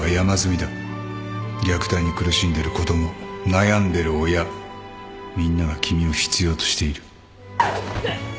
虐待に苦しんでる子供悩んでる親みんなが君を必要としている